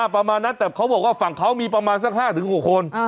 ประมาณนั้นแต่เขาบอกว่าฝั่งเขามีประมาณสัก๕๖คน